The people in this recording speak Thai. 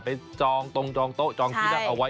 จองตรงจองโต๊ะจองที่นั่งเอาไว้